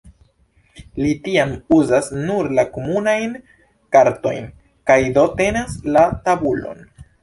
Li tiam uzas nur la komunajn kartojn, kaj do "tenas la tabulon".